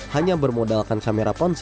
hanya bermodalkan kamera ponsel